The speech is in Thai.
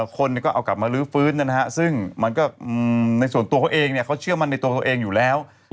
คนก็เอากลับมาลื้อฟื้นซึ่งมันก็ในส่วนตัวเขาเองเขาเชื่อมั่นในตัวตัวเองอยู่แล้ว